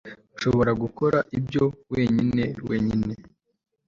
ntashobora gukora ibyo wenyine wenyine